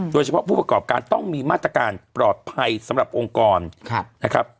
โดยเฉพาะผู้ประกอบการต้องมีมาตรการปลอดภัยสำหรับองค์กรนะครับ